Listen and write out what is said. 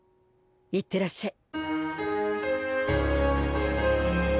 いってらっしゃい。